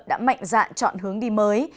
đã mạnh dạn chọn hướng đi mới